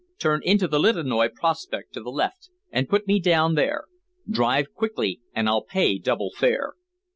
Turn into the Liteinoi Prospect to the left, and put me down there. Drive quickly, and I'll pay double fare."